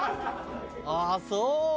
ああそう？